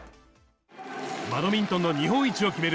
バドミントンの日本一を決める